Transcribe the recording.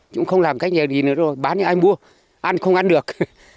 chúng không làm cách gì nữa rồi bán như ai mua ăn không ăn được